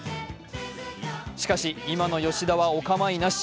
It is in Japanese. しかし、今の吉田はお構いなし。